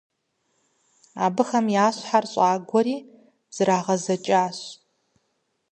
Абыхэм я щхьэр щӀагуэри зрагъэзэкӀащ.